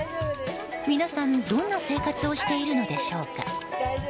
皆さん、どんな生活をしているのでしょうか。